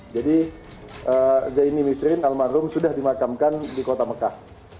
jadi zaini misrin al marum sudah dimakamkan di kota mekah